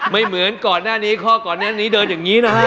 เหมือนก่อนหน้านี้ข้อก่อนหน้านี้เดินอย่างนี้นะฮะ